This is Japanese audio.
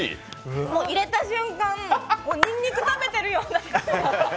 入れた瞬間、にんにく食べてるような。